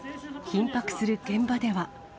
緊迫する現場では。